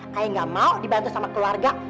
saya nggak mau dibantu sama keluarga